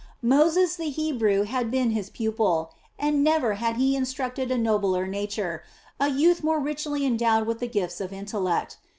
Moses, the Hebrew, had been his pupil, and never had he instructed a nobler nature, a youth more richly endowed with all the gifts of intellect.